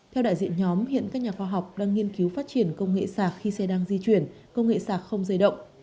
theo đại diện nhóm hiện các nhà khoa học đang nghiên cứu phát triển công nghệ sạc khi xe đang di chuyển công nghệ sạc không dây động